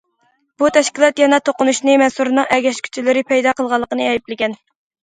بۇ تەشكىلات يەنە توقۇنۇشنى مەنسۇرنىڭ ئەگەشكۈچىلىرى پەيدا قىلغانلىقىنى ئەيىبلىگەن.